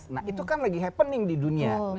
nah itu kan lagi happening di dunia